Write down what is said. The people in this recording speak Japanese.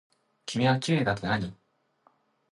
君はきれいだってなに。